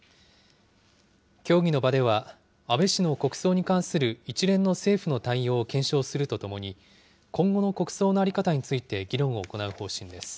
協議の場では、安倍氏の国葬に関する一連の政府の対応を検証するとともに、今後の国葬の在り方について議論を行う方針です。